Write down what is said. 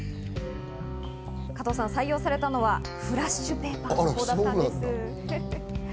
加藤さん、採用されたのはフラッシュペーパーだったんです。